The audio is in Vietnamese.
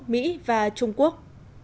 mỹ và trung quốc